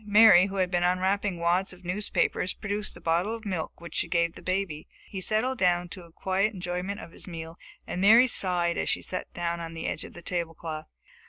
Mary, who had been unwrapping wads of newspapers, produced a bottle of milk which she gave the baby. He settled down to a quiet enjoyment of his meal, and Mary sighed as she sat down at the edge of the tablecloth.